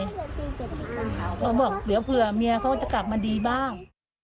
เขาบอกเดี๋ยวเผื่อเมียเขาจะกลับมาดีบ้าง